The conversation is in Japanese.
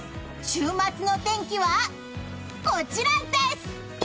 週末の天気は、こちらです！